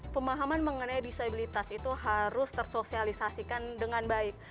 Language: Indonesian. pemahaman mengenai disabilitas itu harus tersosialisasikan dengan baik